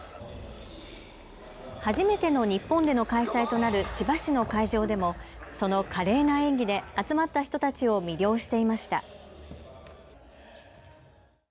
初めての日本での開催となる千葉市の会場でも、その華麗な演技で集まった人たちを魅了していました。